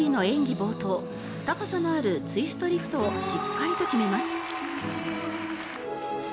冒頭高さのあるツイストリフトをしっかりと決めます。